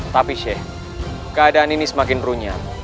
tapi seh keadaan ini semakin runyam